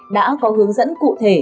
đã có hướng dẫn cụ thể